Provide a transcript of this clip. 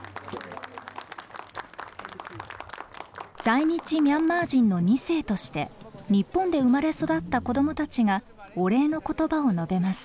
在日ミャンマー人の２世として日本で生まれ育った子供たちがお礼の言葉を述べます。